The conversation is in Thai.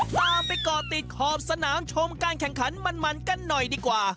ตามไปก่อติดขอบสนามชมการแข่งขันมันกันหน่อยดีกว่า